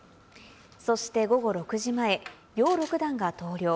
そして午後６時前、姚六段が投了。